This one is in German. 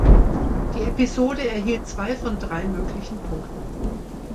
Die Episode erhielt zwei von drei möglichen Punkten.